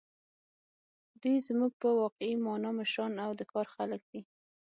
دوی زموږ په واقعي مانا مشران او د کار خلک دي.